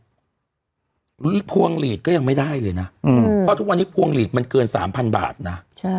พวงหลีดก็ยังไม่ได้เลยนะเพราะทุกวันนี้พวงหลีดมันเกิน๓๐๐บาทนะ